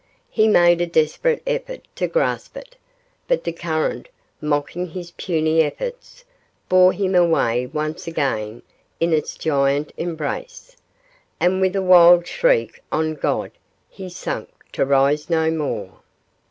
He made a desperate effort to grasp it, but the current, mocking his puny efforts, bore him away once again in its giant embrace, and with a wild shriek on God he sank to rise no more.